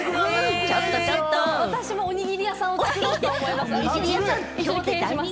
私もおにぎり屋さんを作ろうと思います。